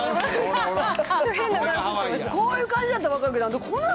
こういう感じやったら分かるけど。